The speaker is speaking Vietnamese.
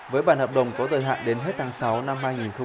với bản hợp đồng có thời hạn đến hết tháng sáu năm hai nghìn một mươi chín